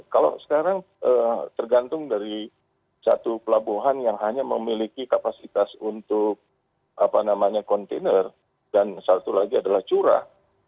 kalau sekarang tergantung dari satu pelabuhan yang hanya memiliki kapasitas untuk kontainer dan satu lagi adalah curah